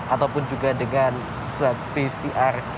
ataupun juga dengan swab pcr